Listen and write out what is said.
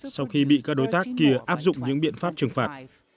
sau khi bị các đối tác kia áp dụng những biện pháp trừng phạt